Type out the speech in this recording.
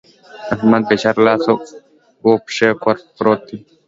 احمد بېچاره لاس و پښې کور پروت دی.